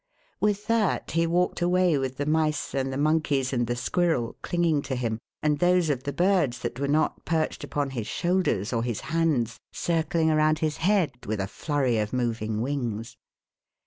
With that he walked away with the mice and the monkeys and the squirrel clinging to him, and those of the birds that were not perched upon his shoulders or his hands circling round his head with a flurry of moving wings.